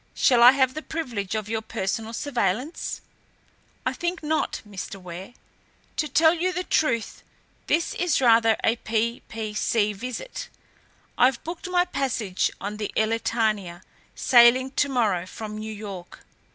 "Shall I have the privilege of your personal surveillance?" "I think not, Mr. Ware. To tell you the truth, this is rather a p.p.c. visit. I've booked my passage on the Elletania, sailing to morrow from New York.